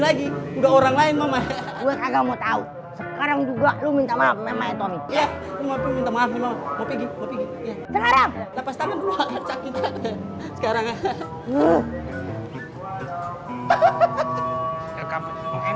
lagi udah orang lain mama sekarang juga lu minta maaf ya minta maaf mau pergi pagi